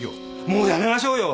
もうやめましょうよ！